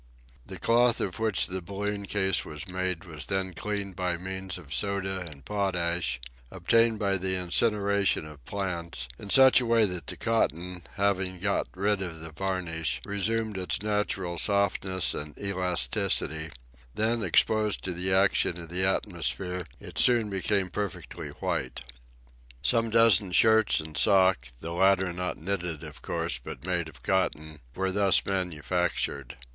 The cloth of which the balloon case was made was then cleaned by means of soda and potash, obtained by the incineration of plants, in such a way that the cotton, having got rid of the varnish, resumed its natural softness and elasticity; then, exposed to the action of the atmosphere, it soon became perfectly white. Some dozen shirts and sock the latter not knitted, of course, but made of cotton were thus manufactured.